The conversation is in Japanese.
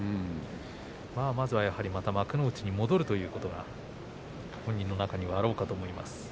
まずはまた幕内に戻るということが本人の中にはあろうかと思います。